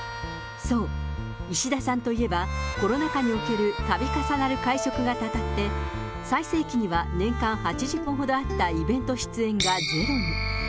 そう、石田さんといえば、コロナ禍におけるたび重なる会食がたたって、最盛期には年間８０本ほどあったイベント出演がゼロに。